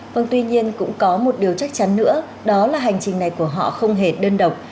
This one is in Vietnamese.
vâng tuy nhiên cũng có một điều chắc chắn nữa đó là hành trình này của họ không hề đơn độc